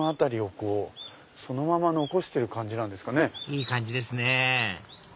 いい感じですね